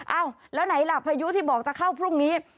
เอ้าแล้วไหนล่ะพายุที่บอกจะเข้าพรุ่งนี้